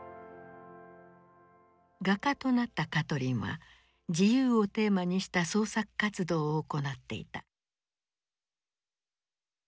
画家となったカトリンは「自由」をテーマにした創作活動を行っていた。